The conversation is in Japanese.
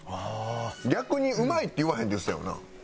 逆に「うまいって言わへん」って言ってたよな？